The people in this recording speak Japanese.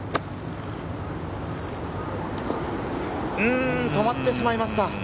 うん、止まってしまいました。